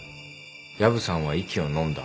薮さんは息をのんだ。